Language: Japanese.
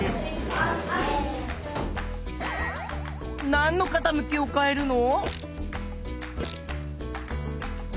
なんのかたむきを変えるの？